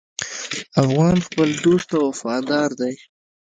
افغان خپل دوست ته وفادار دی.